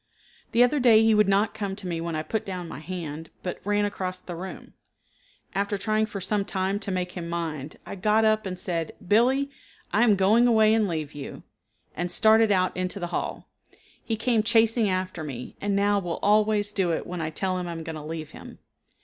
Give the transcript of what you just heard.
The other day he would not come to me when I put down my hand, but ran across the room. After trying for some time to make him mind, I got up and said, "Billee, I am going away and leave you," and started out into the hall. He came chasing after me, and now will always do it when I tell him I am going to leave him.